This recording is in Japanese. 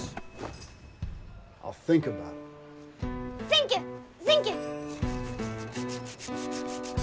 センキューセンキュー。